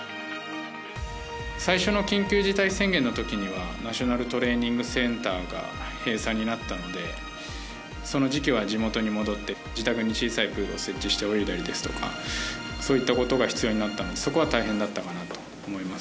最初の緊急事態宣言のときにはナショナルトレーニングセンターが閉鎖になったのでその時期は、地元に戻って自宅に小さいプールを設置して泳いだりですとかそういったことが必要になったのでそこは大変だったなと思います。